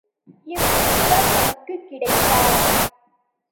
இம்முனிவர் நமக்குக் கிடைத்தார்.